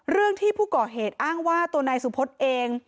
เรื่องที่ผู้ก่อเหตุอ้างว่าตัวนายสุพธเอง